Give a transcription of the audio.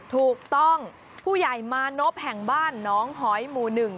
ถูกต้องผู้ใหญ่มานบแห่งบ้านนองหอยหมูหนึ่ง